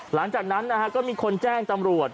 หลังจากนั้นก็มีคนแจ้งตำรวจ